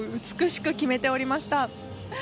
美しく決めておりました。